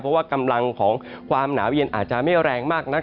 เพราะว่ากำลังของความหนาวเย็นอาจจะไม่แรงมากนัก